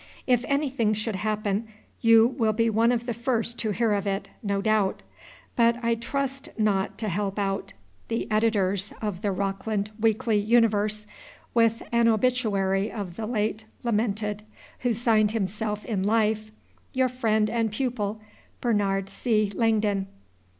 If anything should happen, you will be one of the first to hear of it, no doubt. But I trust not to help out the editors of the "Rockland Weekly Universe" with an obituary of the late lamented, who signed himself in life Your friend and pupil, BERNARD C. LANGDON.